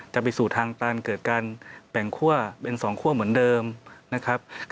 จะไปสู่ทางตันเกิดการแบ่งคั่วเป็น๒คั่วเหมือนเดิมนะครับ